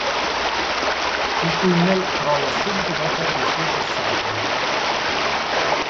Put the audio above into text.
Il tunnel crolla subito dopo il suo passaggio.